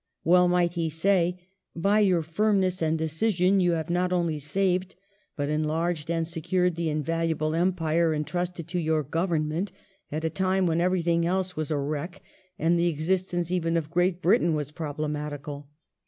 Well might he say: "By your firmness and decision you have not only saved but enlarged and secured the invaluable empire entrusted to your government at a time when everything else was a wreck, and the existence even of Great Britain was problematical."